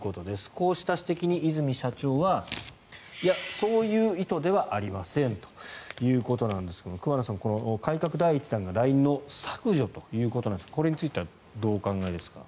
こうした指摘に和泉社長はいや、そういう意図ではありませんということなんですが桑野さん、改革第１弾がＬＩＮＥの削除ということですがこれについてはどうお考えですか。